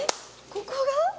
ここが！？